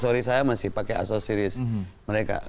sorry saya masih pakai asosiris mereka